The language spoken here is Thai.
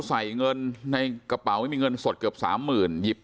ใส่เงินในกระเป๋าไม่มีเงินสดเกือบสามหมื่นหยิบ